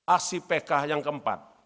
aksi pk yang keempat